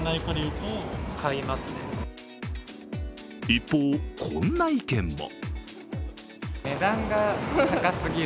一方、こんな意見も。